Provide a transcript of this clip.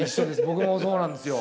僕もそうなんですよ。